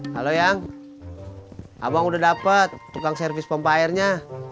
halo yang abang udah dapat tukang servis pompa airnya